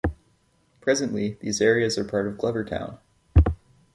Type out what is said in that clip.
Presently these areas are part of Glovertown.